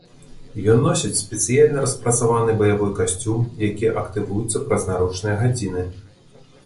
Ён носіць спецыяльна распрацаваны баявой касцюм, які актывуецца праз наручныя гадзіны.